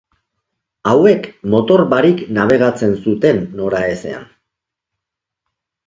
Hauek motor barik nabigatzen zuten noraezean.